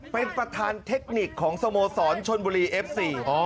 เป็นประธานเทคนิคของสโมสรชนบุรีเอฟซี